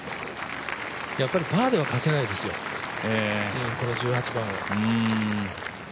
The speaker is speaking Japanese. やっぱりパーでは勝てないですよ、この１８番は。